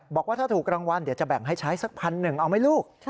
บอกว่าถ้าถูกรางวัลเดี๋ยวจะแบ่งให้ใช้สักพันหนึ่งเอาไหมลูก